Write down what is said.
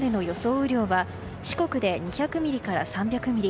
雨量は四国で２００ミリから３００ミリ